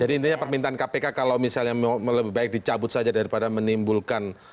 jadi intinya permintaan kpk kalau misalnya mau lebih baik dicabut saja daripada menimbulkan